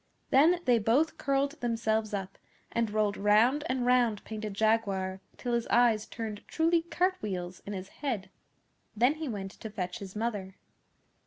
Then they both curled themselves up and rolled round and round Painted Jaguar till his eyes turned truly cart wheels in his head. Then he went to fetch his mother.